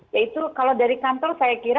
yaitu kalau dari kantor saya kira